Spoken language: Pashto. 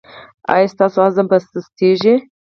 ایا ستاسو عزم به سستیږي؟